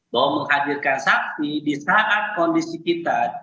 bahwa menghadirkan saksi di saat kondisi kita